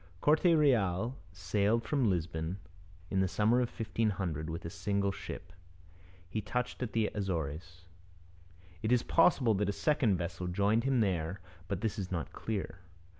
Corte Real sailed from Lisbon in the summer of 1500 with a single ship. He touched at the Azores. It is possible that a second vessel joined him there, but this is not clear.